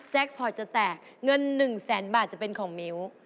พอร์ตจะแตกเงิน๑แสนบาทจะเป็นของมิ้ว